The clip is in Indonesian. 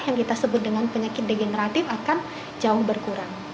yang kita sebut dengan penyakit degeneratif akan jauh berkurang